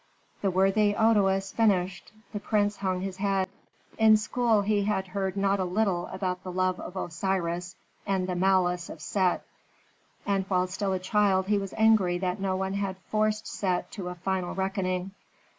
The worthy Otoes finished; the prince hung his head. In school he had heard not a little about the love of Osiris and the malice of Set, and while still a child he was angry that no one had forced Set to a final reckoning.